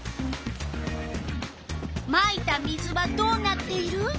まいた水はどうなっている？